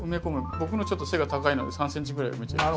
僕のちょっと背が高いので３ｃｍぐらい埋めちゃいます。